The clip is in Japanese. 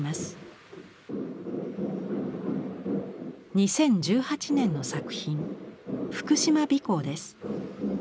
２０１８年の作品「福島尾行」です。